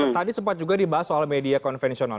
tadi sempat juga dibahas soal media konvensional